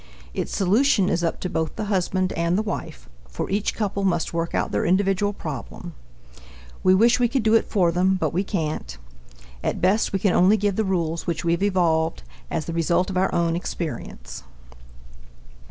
Its solution is up to both the husband and the wife, for each couple must work out their individual problem. We wish we could do it for them, but we can't. At best we can only give the rules which we have evolved as the result of our own experience.